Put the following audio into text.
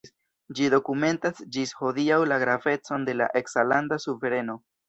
Ĝi dokumentas ĝis hodiaŭ la gravecon de la eksa landa suvereno.